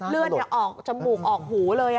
เลือดออกจมูกออกหูเลย